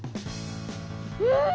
うん！